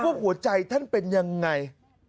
พวกหัวใจท่านเป็นอย่างไร